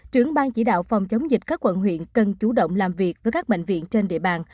trưởng ban chỉ đạo phòng chống dịch các quận huyện cần chủ động làm việc với các bệnh viện trên địa bàn